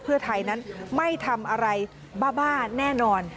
เพื่อไทยนั้นไม่ทำอะไรบ้าบ้าแน่นอน